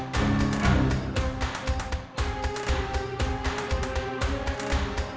padang padang padang